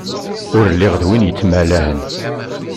Ur lliɣ d win yettmalahen.